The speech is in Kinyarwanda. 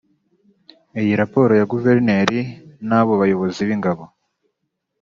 Iyi raporo ya guverineri n’ abo bayobozi b’ingabo